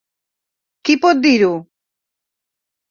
Qui pot dir-ho?